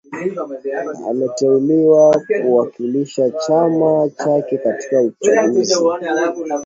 ameteuliwa kuwakilisha chama chake katika uchaguzi